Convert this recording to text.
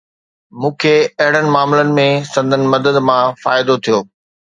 مون کي اهڙن معاملن ۾ سندن مدد مان فائدو ٿيو